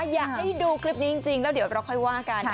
อยากให้ดูคลิปนี้จริงแล้วเดี๋ยวเราค่อยว่ากัน